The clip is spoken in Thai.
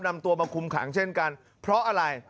นำตัวมาคุมขังเช่นกันเพราะอะไร